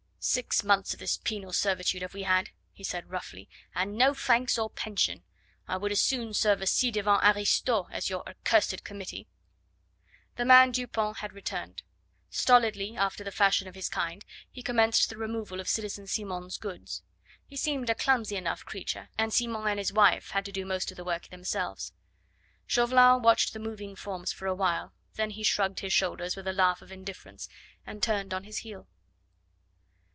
"Six months of this penal servitude have we had," he said roughly, "and no thanks or pension. I would as soon serve a ci devant aristo as your accursed Committee." The man Dupont had returned. Stolidly, after the fashion of his kind, he commenced the removal of citizen Simon's goods. He seemed a clumsy enough creature, and Simon and his wife had to do most of the work themselves. Chauvelin watched the moving forms for a while, then he shrugged his shoulders with a laugh of indifference, and turned on his heel.